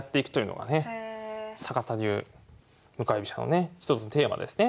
坂田流向かい飛車のね一つのテーマですね。